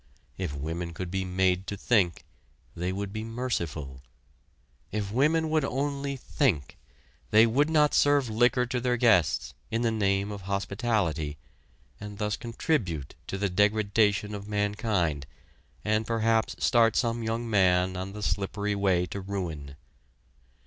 If women could be made to think, they would be merciful. If women would only think, they would not serve liquor to their guests, in the name of hospitality, and thus contribute to the degradation of mankind, and perhaps start some young man on the slippery way to ruin.